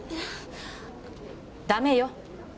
ダメよ。